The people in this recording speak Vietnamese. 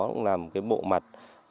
cũng là một cái bộ mặt